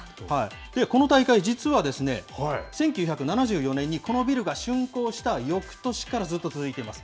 この大会、実はですね、１９７４年にこのビルがしゅんこうしたよくとしからずっと続いています。